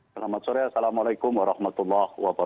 selamat sore assalamualaikum wr wb